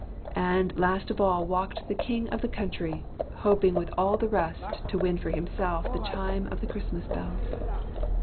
And last of all walked the king of the. country, hoping with all the rest to win for himself the chime of the Christmas bells.